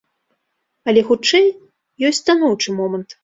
Але, хутчэй, ёсць станоўчы момант.